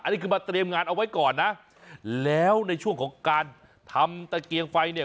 นี่คือมาเตรียมงานเอาไว้ก่อนนะแล้วในช่วงของการทำตะเกียงไฟเนี่ย